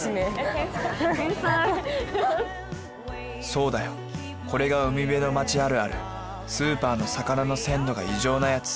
そうだよこれが海辺の町あるあるスーパーの魚の鮮度が異常なやつ！